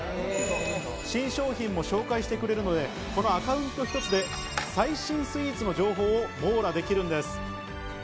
新商品も紹介してくれるので、このアカウント一つで最新スイーツの情報を網羅できるんです。